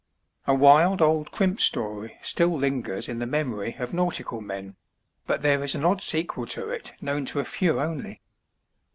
A WILD old crimp story still lingers in the memory of nautical men ; but there is an odd sequel to it known to a few only.